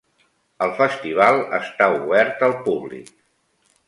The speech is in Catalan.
El Festival està obert al públic.